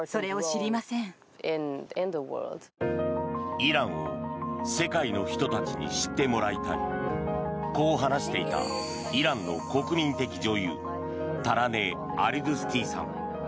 イランを世界の人たちに知ってもらいたいこう話していたイランの国民的女優タラネ・アリドゥスティさん。